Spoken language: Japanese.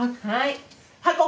はい。